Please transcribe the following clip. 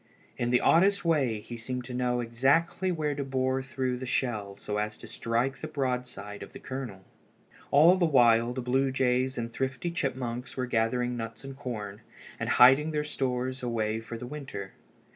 In the oddest way he seemed to know exactly where to bore through the shell so as to strike the broad side of the kernel. All the while the blue jays and the thrifty chipmunks were gathering nuts and corn, and hiding their stores away for the winter.